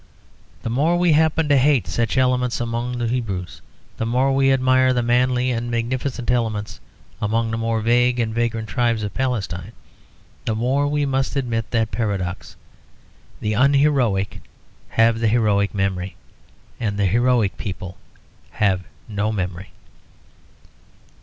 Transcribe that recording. The more we happen to hate such elements among the Hebrews the more we admire the manly and magnificent elements among the more vague and vagrant tribes of Palestine, the more we must admit that paradox. The unheroic have the heroic memory; and the heroic people have no memory.